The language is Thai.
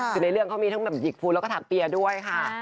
คือในเรื่องเขามีทั้งแบบหยิกพูนแล้วก็ถักเปียร์ด้วยค่ะ